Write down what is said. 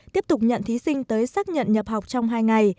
tiếp tục nhận thí sinh tới xác nhận nhập học trong hai ngày